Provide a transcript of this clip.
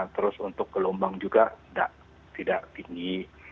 terus untuk gelombang juga tidak tinggi